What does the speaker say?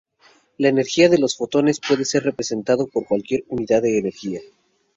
La energía de los fotones puede ser representado por cualquier unidad de energía.